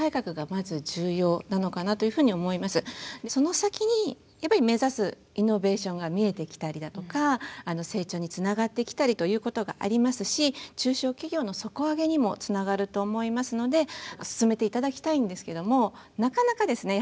でその先にやっぱり目指すイノベーションが見えてきたりだとか成長につながってきたりということがありますし中小企業の底上げにもつながると思いますので進めていただきたいんですけどもなかなかですね